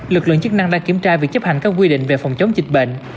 lực lượng chức năng đã kiểm tra việc chấp hành các quy định về phòng chống dịch bệnh